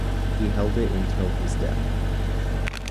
He held it until his death.